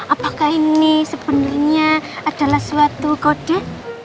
apakah ini sebenarnya adalah suatu kode